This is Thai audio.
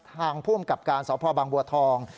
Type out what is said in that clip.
ภูมิกับการสพบางบัวทอง